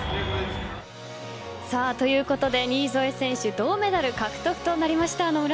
ということで新添選手銅メダル獲得となりました。